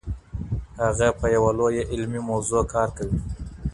هغه په یوه لویه علمي موضوع کار کوي.